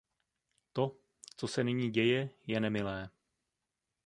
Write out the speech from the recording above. To, co se nyní děje, je nemilé.